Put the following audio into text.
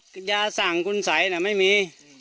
ใช่ย่างสั่งคุณสัยนั้นไม่มี